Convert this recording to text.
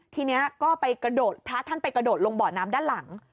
ทีนี้ก็ไปกระโดดพระท่านไปกระโดดลงบ่อน้ำด้านหลัง